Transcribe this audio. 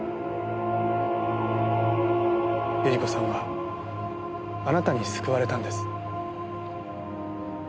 百合子さんはあなたに救われたんです。